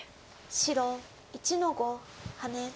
白１の五ハネ。